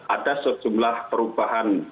ada sejumlah perubahan